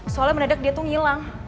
soalnya mendadak dia tuh ngilang